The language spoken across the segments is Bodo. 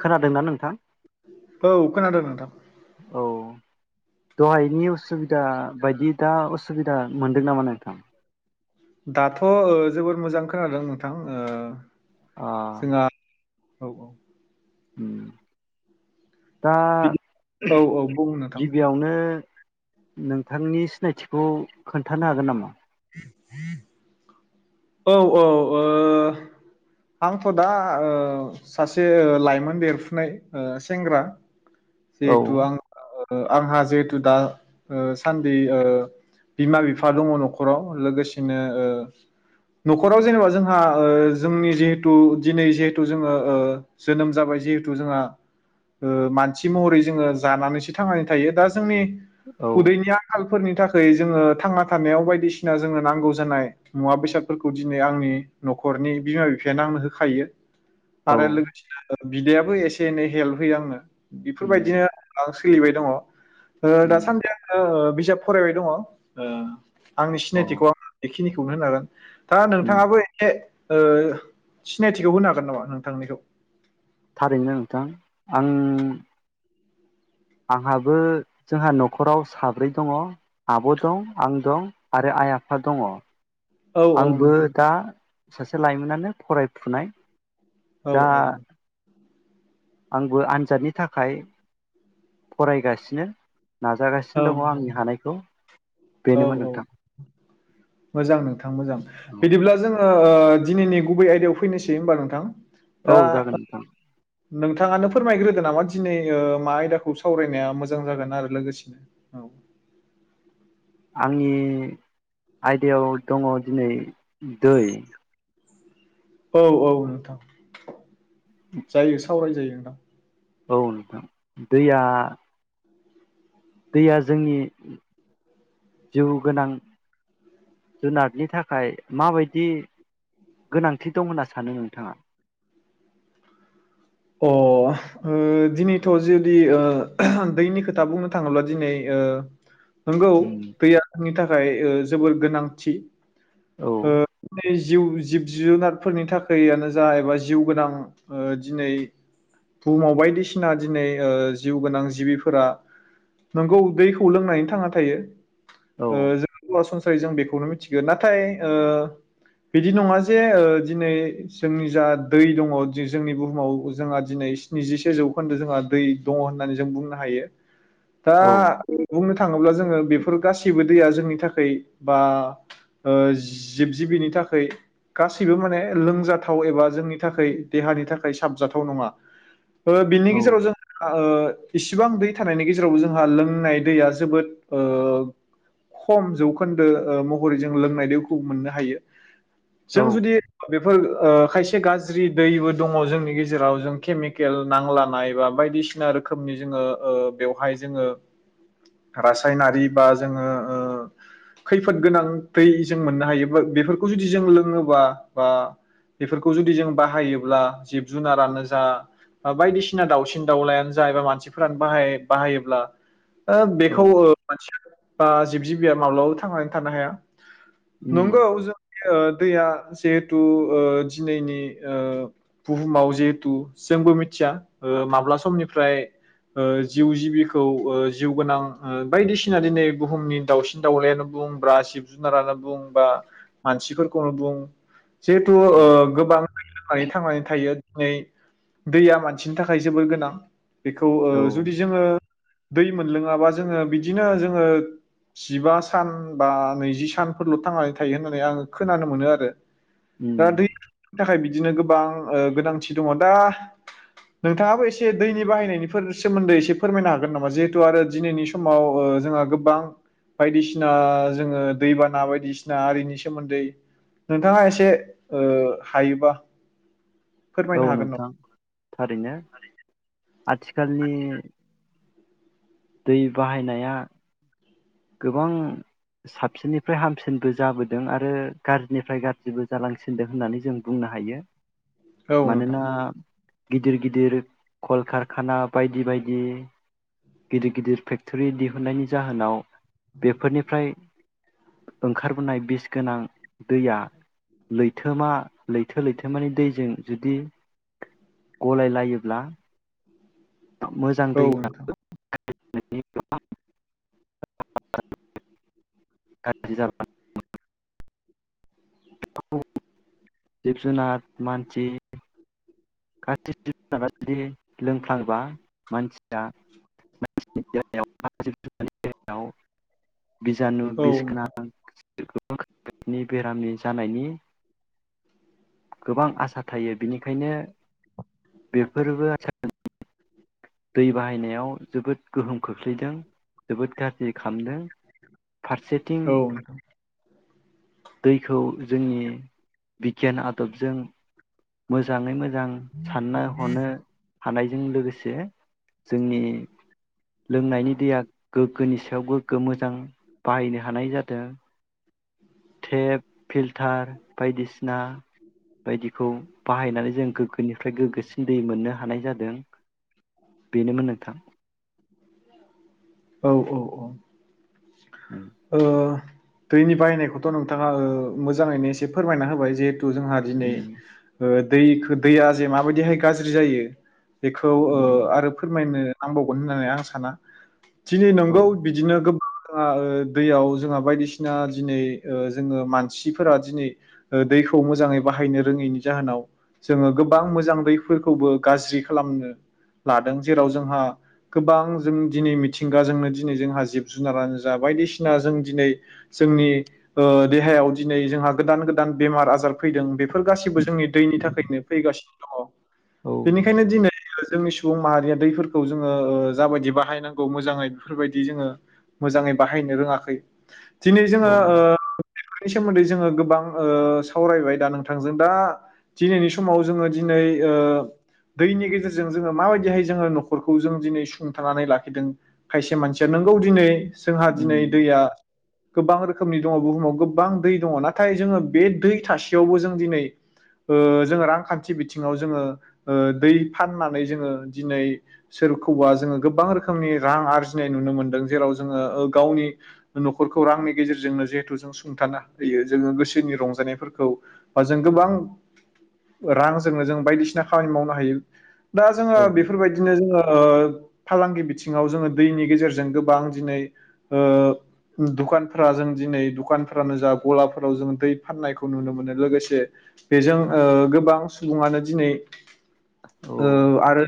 खोनादोंना नोंथां औ खोनादो नोंथां। औ दहायनि उसुबिदा बायदि दा उसुबिदा मोनदों नामा नोंथां? दाथ' ओ जोबोद मोजां खोनादों नोंथां। ओ अ जोंहा औ औ उम दा बिदि औ औ बुं नोंथां गिबियावनो नोंथांनि सिनायथिखौ खोन्थानो हागोन नामा? [inaudible] औ औ ओ आंथ' दा ओ सासे लाइमोन देरफुनाय ओ सेंग्रा औ जिहेतु आं ओ ओ आंहा जिहेथु दा ओ सान्दि ओ बिमा बिफा दङ नखराव लोगोसेनो ओ नखराव जेनेबा जोंहा ओ जोंनि जिहेथु दिनै जिहेथु जोङो ओ जोनोम जाबाय जिहेथु जोंहा ओ मान सि महरै जोंङो जानानैसो थांनानै थायो दा जोंनि औ उदैनि आंखाल फोरनि थाखाय जोंङो थांना थानायाव बायदिसिना जोंनो नांगौ जानाय मुवा बेसादफोरखौ दिनै आंनि नखरनि बिमा बिफायानो आंनो होखायो। औ आरो लोगोसेनो बिदायाबो एसे एनै हेल्प होयो आंनो उम बिफोरबायदिनो आं सो सोलिबाय दङ ओ दा उम सानदि आंङो ओ बि बिजाब फरायबाय दङ आंनि अ सिनायथिखौ आंङो खिनिखौनो होनो हागोन दा उम नोंथाङाबो एसे ओ सिनायथिखौ होनो हागोन नामा नोंथांनिखौ थारैनो नोंथां आं आंहाबो जोंहा नखराव साब्रै दङ' आब दं आं दं आरो आइ आफा दङ'। औ औ आंबो नोंथां दा सासे लाइमोनानो फरायफुनाय औ दा औ आंबो आनजादनि थाखाय फरायगासिनो औ नाजागासिनो दङ आंनि हानायखौ औ बेनोमोन औ नोंथां मोजां नोंथां मोजां बिदिब्ला जोंङो ओ दिनैनि गुबै आयदायाव फैनोसै होमबा नोंथां दा औ जागोन नोंथां नोंथाङानो फोरमायग्रोदो नामा दिनै ओ मा आयदाखौ सावरायनाया मोजां जागोन आरो लोगोसेनो औ आंनि आयदायाव दङ दिनै दै औ औ नोंथां जायो सावराय जायो नोंथां। औ नोंथां दैया दैया जोंनि जिउ गोनां जुनारनि थाखाय माबायदि गोनांथि दं होनना सानो नोंथाङा अ ओ दिनैथजुदि ओ दैनि खोथा बुंनो थाङोब्ला दिनै ओ नंगौ उम दैया आंनि थाखाय थाखाय ओ जोबोर गोनांथि औ ओ [unintelligible] जिउ जिब जुनारफोरनि थाखाययनो जाहैबा जिउ गोनां ओ दिनै बुहुमाव बायदिसिना दिनै ओ जिउ गोनां जिबिफोरा नंगौ दैखौ लोंनानै थांना थायो औ ओ जों [unintelligible] ओइ जों बेखौनो मिथिगोन नाथाय ओ बिदि नङा जे ओ दिनै जोंनि जा दै दङ। जि जोंनि बुहुमाव जोंहा दिनै स्निजिसे जौखोन्दो जोंहा दै दङ होननानै जों बुंनो हायो दा औ बुंनोथां थाङोब्ला जोङो बेफोर गासैबो दैया जोंनि थाखाय बा ओ जिब जिबिनि थाखाय गासैबो माने लोंजाथाव एबा जोंनि थाखाय देहानि थाखाय साबजाथाव थ नङा ओ बिनि औ गेजेराव जों ओ इसिबां दै थानायनि गेजेरावबो जोंहा लोंनाय दैया जोबोद ओ खम जौखोन्दो ओ महरै जों लोंनाय दैखौ मोननो हायो। औ जों जुदि बे फोर खायसे गाज्रि दैबो दङ जोंनि गेजेर जेराव जों केमिकेल नांलानाय बा बायदिसिना रोखोमनि जोङो ओ बेवहाय जोङो रासायनारि बा जों ओ लोङोबा बा बेफोरखौ जुदि जों बाहायोब्ला जिब जुनारानो जा बा बायदिसिना दाावसिन दाउलायानो जा एबा मानसिफोरानो बाहाय बाहायोब्ला ओ औ बेखौ ओ मोन बा जिब जिबिया माब्लाबाबो थांनानै थानो हाया उम नोंगौ जों दैया जिहेथु ओ दिनैनि ओ बुहुमाव जिहेथु जोंबो मिथिया ओ माब्ला समनिफ्राय ओ जिउ जिबिखौ ओ जिउ गोनां बायदिसिना दिनै बुहुमनि दाउसिन दाउलायानो बुं बा जिब जुनारानो बुं बा मानसिफोरखौनो बुं जिहेथु औ ओ गोबां लोंनानै थांनानै दिनै दैया मानसिनि थाखाय जोबोर गोनां। बेखौ औ ओ जुदि जोङो दै मोनलोङाबा जोङो बिदिनो जोङो जिबा सान बा नैजि सानफोरल' थांनानै थायो होननानै आङो खोनानो मोनो आरो। दा उम दैनि थाखाय बिदिनो गोबां ओ गोनांथि दङ दा नोंथाङाबो एसे दैनि बाहायनायनिफोर सोमोन्दै एसे फोरमायनो हागोन नामा जिहेथु आरो दिनैनि समाव जोंहा गोबां बायदिसिना जोङो दैबाना बायदिसिना आरिनि सोमोन्दै नोंथाङा एसे ओ हायोबा औ फोरमायनो हागोन नोंथां थारैनो। आथिखालनि दै बाहायनाया गोबां साबसिननिफ्राय हामसिनबो जाबोदों आरो गाज्रिनिफ्राय गाज्रिबो जालांसिनदों होननानै जों बुंनो हायो। नामा औ नोंथां मानोना गिदिर गिदिर कलकारखाना बायदि बायदि गिदिर गिदिर फेक्टरि दिहुननायनि जाहोनाव बेफोरनिफ्राय ओंखारबोनाय बिस गोनां दैया लैथोमा लैथो लैथोमानि दैजों जुदि गलायलायोब्ला मोजां औ नोंथां दैयाबो [unintelligible] [unintelligible] जिब जुनार, मानसि, गासिबो जिब जुनारा जुदि लोंफ्लांबा मानसिया मानसिनि देहायाव बा जिब जुनारनि देहायाव बिजानु औ बिस नोंथां गोनां गोबां रोखोमनि बेरामनि जानायनि गोबां आसा थायो। बिनिखायनो बेफोरबो [unintelligible] दै बाहायनायाव जोबोद गोहोम खोख्लैदों, जोबोद गाज्रि खालामदों फारसेथिं औ नोंथां दैखौ जोंनि बिगियान आदबजों मोजाङै मो जां साननो हनो हानायजों लोगो से जोंनि लोंनायनि दैया गोग्गोनि सायाव गोग्गो मोजां बाहायनो हानाय जादों। टेप फिल्टार बायदिसिना बायदिखौ बाहायनानै जों गोग्गोनिफ्राय गोग्गोसिन दै मोननो हानाय जादों। बेनोमोन नोंथां। औ औ औ। ओ दैनि बाहायनायखौथ' नोंथाङा ओ मोजाङैनो एसे फोरमायना होबाय जे खौ जोंहा दिनै उम ओ दैखो दैया जे माबायदिहाय गाज्रि जायो। बेखौ औ ओ आरो फोरमायनो नांबावगोन होननानै आं साना दिनै औ नंगौ बिदिनो गोब आ ओ दैयाव जोंहा बायदिसिना दिनै ओ जोंङो मानसिफोरा दिनै ओ दैखौ मोजाङै बाहायनो रोङैनि जाहोनाव जोंङो गोबां मोजां दैफोरखौबो गाज्रि खालामनो लादों जेराव जोंहा गोबां जों दिनै मिथिंगाजोंनो दिनै जोंहा जिब जुनारानो जा बायदिसिना ना जों दिनै जोंनि ओ देहायाव दिनै जोंहा गोदान गोदान बेमार आजार फैदों बेफ फोर गासिबो जोंनि दैनि थाखायनो फैगासि औ औ बेनिखायनो दिनै जोंनि सुबुं माहारिया दैफोरखौ जोङो ओ जाबायदि बाहायनांगौ मोजाङै बेफोरबायदि जोङो मोजाङै बाहाय नो रोङाखै दिनै औ जोङो ओ बेनि सोमोन्दै जोङो गोबां ओ सावरायबाय दा नोंथांजों दा दिनैनि समाव जोङो दिनै ओ दैनि गेजेरजों जोङो माबायदिहाय जोङो नखरखौ जों दिनै सुंथानानै लाखिदों खायसे मानसिया नोंगौ दिनै जोंहा दिनै उम दैया गोबां रोखोमनि दङ बुहुमाव गोबां दै दङ नाथाय जोङो बे दै थासेयावबो जों दिनै ओ जो रांखान्थि बिथिङाव जोङो ओ दै फाननानै जोङो दिनै सोरखौबा जोङो गोबां रोखोमनि रां आरजिनाय नुनो मोनदों जेराव जोङो ओ गावनि नखरखौ रांनि गेजेरजोंनो जिहेथु जों सुंथानो होयो जोंङो गोसोनि रंजानायफोरखौ बा जों गोबां रांजोंनो जों बायदिसिना खामानि मावनो हायो दा जोङो औ बेफोरबायदिनो जोङो फालांगि बिथिङाव जोंङो दैनि गेजेरजों गोबां दिनै ओ दुखानफोरा जों दिनै दुखानफ्रानो जा गलाफोराव जों दै फाननायखौ नुनो मोनो लोगोसे बेजों ओ गोबां सुबुङानो दिनै औ ओ आरो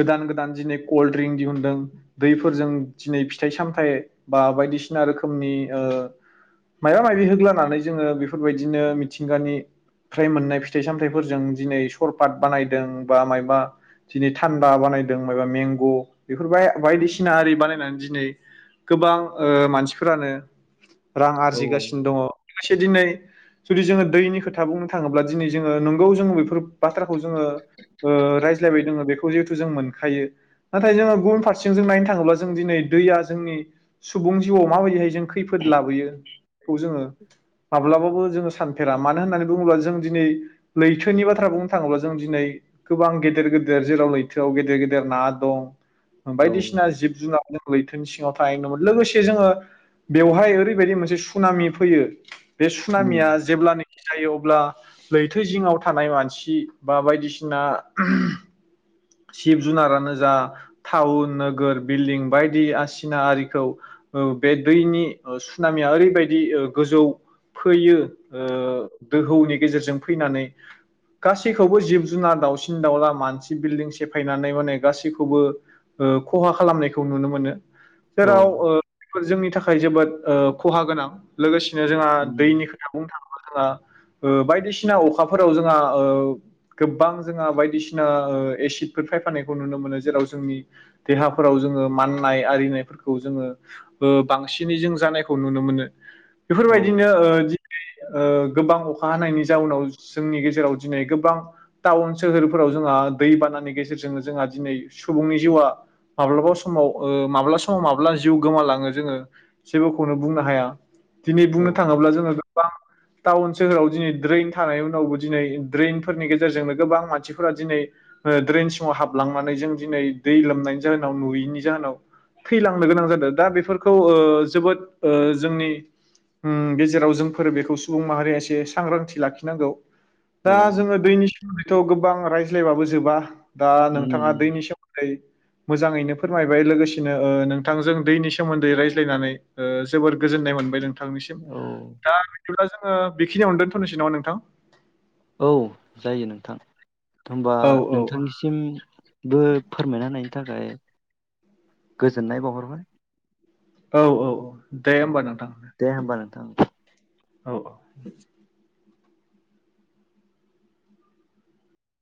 गोदान गोदान दिनै कल्ड ड्रिं दिहुनदों दैफोरजों दिनै फिथाइ सामथायाइ बा बायदिसिना रोखोमनि ओ माइबा माइबि होग्लानानै जोङो बेफोरबायदिनो मिथिंगानि फ्राय मोननाय फिथाइ सामथाइफोरजों दिनै सरपात बानायदों बा माइबा दिनै थान्दा बानायदों माइबा मेंग बेफोरबा बायदिसिना आरि बानायनानै दिनै गोबां ओ मानसिफोरानो रां औ आरजिगासिनो दङ खासै दिनै जुदि जोङो दैनि खोथा बुंनो थाङोब्ला दिनै जोङो नंगौ जोङो बेफोर बाथ्राखौ जोङो ओ रायज्लायबाय दोङो बेखौ जिहेथु जों मोनखायो नाथाय जोङो गुबुन फारसेजों जों नायनो थाङोब्ला जों दिनै दैया जोंनि सुबुं जिउआव माबायदिहायो जों खैफोद लाबोयो। खौ जोङो माब्लाबाबो जोङो सानफेरा मानो होननानै बुङोब्ला जों दिनै लैथोनि बाथ्रा बुं थाङोब्ला जों दिनै गोबां गेदेर गेदेर जेराव लैथोआव गेदेर गेदेर ना दं। औ बायदिसिना जिब जुनार लैथोनि सिङावथ बायनोमोन लोगोसे जोङो बेवहाय ओरैबायदि मोनसे सुनामि फैयो बे उम सुनामिया जेब्लानोखि जायो अब्ला लैथो जिङाव थानाय मानसि बा बायदिसिना जिब जुनारानो जा थाउन नोगोर बिल्डिं बायदि आसिना आरिखौ औ बे दैनि ओ सुनामिया ओरैबायदि ओ गोजौ फैयो ओ दोहौनि गेजेरजों फैनानै गासैखौबो जिब जुनार दावउसिन दाउला मानसि बिल्डिं सेफायनानै माने गासैखौबो ओ खहा खालामनायखौ नुनो मोनो औ जेराव ओ जोंनि थाखाय जोबोद ओ खहा गोनां लोगोसे नो जोंहा उम दैनि खोथा बुंनो थाङोब्ला जोंहा ओ बायदिसिना अखाफोराव जोंहा ओ गोबां जोंहा बायदिसिना ओ एसिद बे फायफानायखौ नुनो मोनो जेराव जोंनि देहाफोराव जोङो माननाय आरिनायफोरखौ जोङो ओ बांसिनै जों जानायखौ नुनो मोनो। औ बेफोरबायदिनो ओ दि ओ। गोबां अखा हानायनि जाउनाव। जोंनि गेजेराव दिनै गोबां टाउन सोहोरफोराव जोंहा दैबानानि गेजे जेरजोंनो जोंहा दिनै सुबुंनि जिउआ माब्लाबा समाव ओ माब्ला समाव माब्ला जिउ गोमालाङो जोङो जेबोखौनो बुंनो हाया। दिनै औ बुंनो थाङोब्ला जोङो बां टाउन सोहोराव दिनै द्रेइन थानाय उनावबो दिनै द्रेइनफोरनि गेजेरजोंनो गोबां मानसिफोरा दिनै ओ द्रेनस [unintelligible] हाबलांनानै जों दिनै दै लोमनायनि जाहोनाव नुयिनि जाओनाव थैलांनो गोनां जादो दा बेफोरखौ ओ जोबोद ओ जोंनि उम गेजेराव जोंफोर बेखौ सुबुं माहारिया एसे सांग्रांथि लाखिनांगौ। औ दा जोङो दैनि सोमोन्दै थ गोबां रायज्लायबाबो जोबा। दा नोंथाङा उम दैनि सोमोन्दै मोजाङैनो फोरमायबाय लोगोसेनो ओ नोंथांजों दैनि सोमोन्दै रायज्लायनानै ओ जोबोर गोजोननाय मोनबाय नों। थांनिसिम औ दा दिब्ला जोङो बेखिनियावनो दोनथनोसै नामा नोंथां। औ जायो नोंथां। होनबा औ नोंथांनिसिम बो फोरमायनाहोनाय [unintelligible] गोजोन्नाय बावहरबाय। औ औ औ दे औ होमबा नोंथां। दे होमबा नोंथां औ।